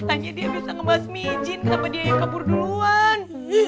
pohon si jeje bisa ngebas micin cepeting kabur duluan